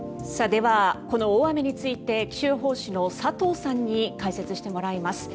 では、この大雨について気象予報士の佐藤さんに解説してもらいます。